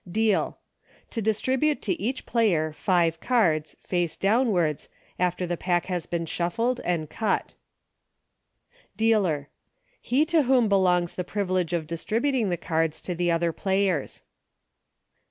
Deal. To distribute to each } lay )v five cards, face downwards, after the pa</k has been shuffled and cut. 80 EUCHRE. Dealer. He to whom belongs the privi lege of distributing the cards to the other players.